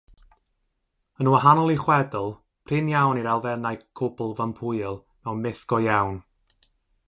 Yn wahanol i chwedl, prin iawn yw'r elfennau cwbl fympwyol mewn myth go iawn.